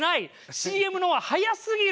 ＣＭのは早すぎるよ！